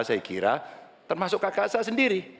saya kira termasuk kakak saya sendiri